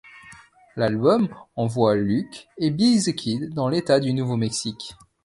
L'album envoie Luke and Billy the Kid dans l’État du Nouveau-Mexique.